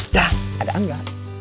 dah ada angga